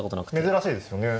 珍しいですよね。